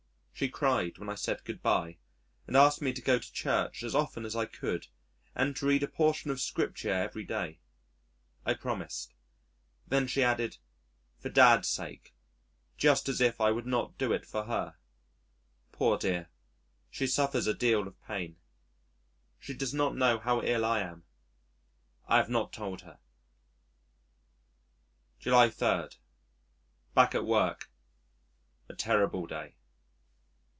She cried when I said "Goodbye," and asked me to go to Church as often as I could, and to read a portion of Scripture every day. I promised. Then she added, "For Dad's sake;" just as if I would not do it for her. Poor dear, she suffers a deal of pain. She does not know how ill I am. I have not told her. July 3. Back at work. A terrible day.